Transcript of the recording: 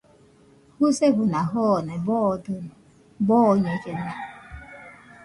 Jusefona jone boodɨno, dooñellena.